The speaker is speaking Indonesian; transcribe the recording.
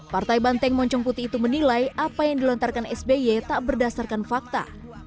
partai banteng moncong putih itu menilai apa yang dilontarkan sby tak berdasarkan fakta